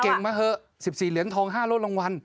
เก่งมาเถอะ๑๔เหรียญทรง๕ละรวมวัณ